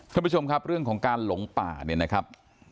ท่านผู้ชมครับเรื่องของการหลงป่าเนี่ยนะครับ